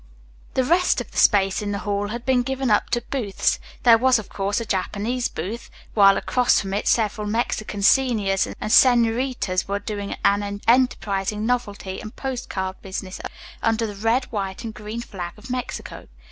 The rest of the space in the hall had been given up to booths. There was, of course, a Japanese booth, while across from it several Mexican seniors and senoritas were doing an enterprising novelty and post card business under the red, white and green flag of Mexico.